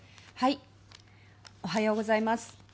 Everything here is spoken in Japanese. おはようございます。